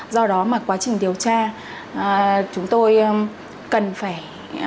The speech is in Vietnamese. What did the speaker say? do đó mà quá trình điều tra chúng tôi cần phải